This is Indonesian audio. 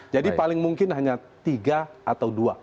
paling mungkin hanya tiga atau dua